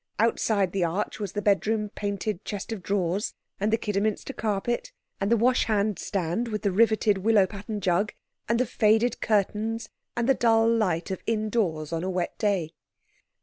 Outside the arch was the bedroom painted chest of drawers and the Kidderminster carpet, and the washhand stand with the riveted willow pattern jug, and the faded curtains, and the dull light of indoors on a wet day.